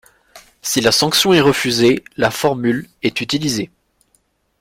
Si la sanction est refusée, la formule est utilisée.